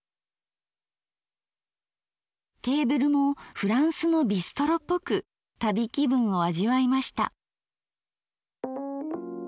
テーブルもフランスのビストロっぽく旅気分を味わいました。